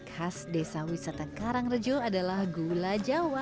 khas desa wisata karangrejo adalah gula jawa